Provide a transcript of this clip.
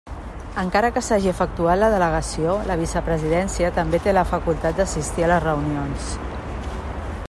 Encara que s'hagi efectuat la delegació la Vicepresidència també té la facultat d'assistir a les reunions.